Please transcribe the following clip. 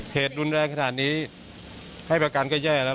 เหตุรุนแรงขนาดนี้ให้ประกันก็แย่แล้ว